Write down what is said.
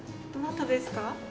どなたですか？